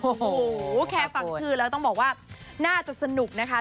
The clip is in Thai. โอ้โหแค่ฟังชื่อแล้วต้องบอกว่าน่าจะสนุกนะคะ